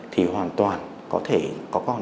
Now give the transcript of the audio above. thì hoàn toàn có thể có con